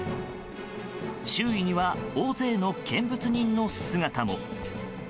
周囲には大勢の見物人の姿も。